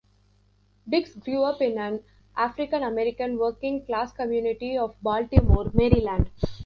Dix grew up in an African-American working class community of Baltimore, Maryland.